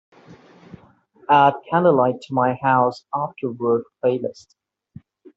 Add Candlelight to my House Afterwork playlist.